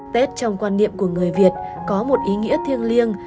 tết trong quan niệm của người việt có một ý nghĩa thiêng liêng